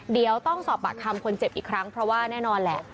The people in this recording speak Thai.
เดี๋ยวต้องสอบปากคำคนเจ็บอีกครั้งเพราะว่าแน่นอนแหละ